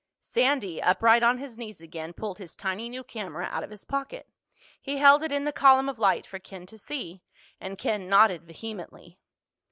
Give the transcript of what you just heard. Sandy, upright on his knees again, pulled his tiny new camera out of his pocket. He held it in the column of light for Ken to see, and Ken nodded vehemently.